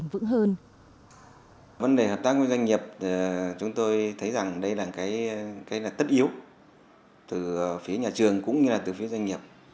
vấn đề hợp tác với doanh nghiệp chúng tôi thấy rằng đây là cái tất yếu từ phía nhà trường cũng như là từ phía doanh nghiệp